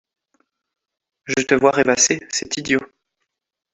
Je te vois rêvasser, c’est idiot.